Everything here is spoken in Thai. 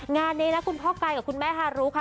งานนี้นะคุณพ่อไก่กับคุณแม่ฮารุค่ะ